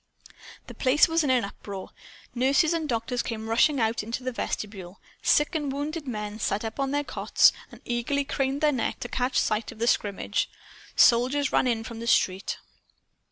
The place was in an uproar. Nurses and doctors came rushing out into the vestibule; sick and wounded men sat up on their cots and eagerly craned their necks to catch sight of the scrimmage. Soldiers ran in from the street.